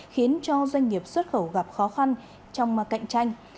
khiến cho doanh nghiệp xuất khẩu gặp khó khăn trong cạnh tranh